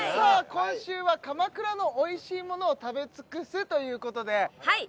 今週は鎌倉のおいしいものを食べ尽くすということではい